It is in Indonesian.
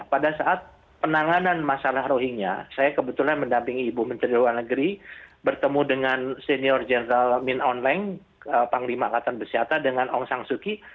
pada saat penanganan masalah rohingnya saya kebetulan mendampingi ibu menteri dalam negeri bertemu dengan senior general min aung hlaing panglima angkatan besiata dengan aung san suu kyi